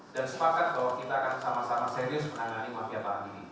dan sepakat bahwa kita akan sama sama serius menangani mafia tanah ini